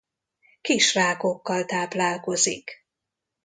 Kis rákokkal táplálkozik.